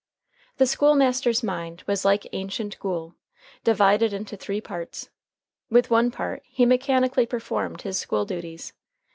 The school master's mind was like ancient Gaul divided into three parts. With one part he mechanically performed his school duties.